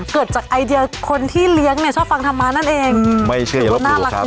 เกิดจากไอเดียคนที่เลี้ยงเนี่ยชอบฟังธรรมะนั่นเองไม่เชื่ออย่างว่าปลูกครับ